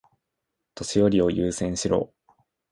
年寄りを優先しろ。